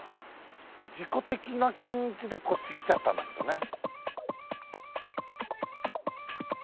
事故的な感じでこっち来ちゃったんだけどね。